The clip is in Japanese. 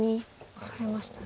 オサえましたね。